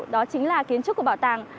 đó chính là kiến trúc của bảo tàng